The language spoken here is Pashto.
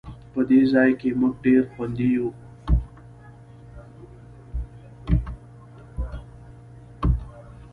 په دې ځای کې مونږ ډېر خوندي یو